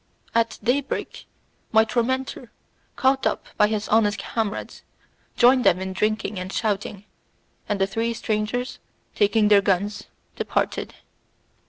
At day break, my tormentor, called up by his honest comrades, joined them in drinking and shouting, and the three strangers, taking their guns, departed.